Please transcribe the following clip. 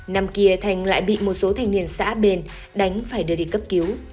năm kia thành lại bị một số thanh niên xã bên đánh phải đưa đi cấp cứu